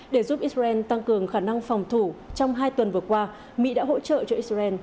để giúp israel tăng cường khả năng phòng thủ trong hai tuần vừa qua mỹ đã hỗ trợ cho israel